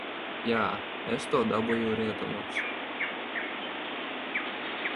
Jā, es to dabūju rietumos.